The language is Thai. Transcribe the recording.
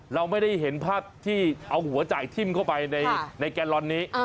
เราไม่ได้เห็นภาพที่เอาหัวจ่ายทิ้มเข้าไปในแกนลอนนี้